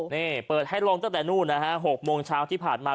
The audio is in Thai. นี่เปิดให้ลงตั้งแต่นู่นนะฮะ๖โมงเช้าที่ผ่านมา